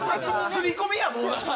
刷り込みやもうな。